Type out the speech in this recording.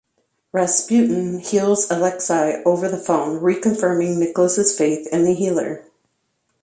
Rasputin heals Alexei over the phone, re-confirming Nicholas's faith in the healer.